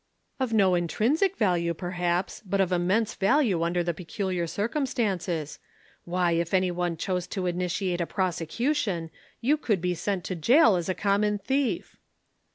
"'Of no intrinsic value, perhaps, but of immense value under the peculiar circumstances. Why, if anyone chose to initiate a prosecution, you would be sent to jail as a common thief."